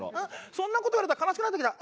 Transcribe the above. そんな事言われたら悲しくなってきた。